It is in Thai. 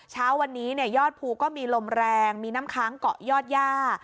เช้าวันนี้ยอดภูก็มีลมแรงมีน้ำค้างเกาะยอดย่า